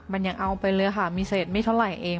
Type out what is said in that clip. มันยังเอาไปเรื่อยค่ะมีเสร็จไม่เท่าไรเอง